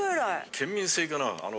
県民性かな？